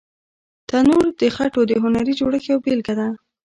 تنور د خټو د هنري جوړښت یوه بېلګه ده